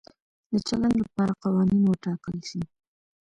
د چلند لپاره قوانین وټاکل شي.